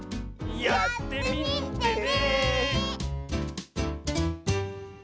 やってみてね！